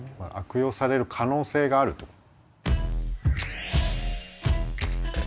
悪用される可能性があると。